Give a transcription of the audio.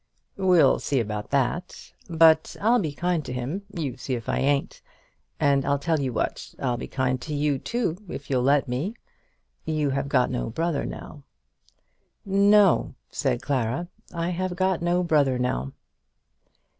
"We'll see about that. But I'll be kind to him; you see if I ain't. And I'll tell you what, I'll be kind to you too, if you'll let me. You have got no brother now." "No," said Clara; "I have got no brother now."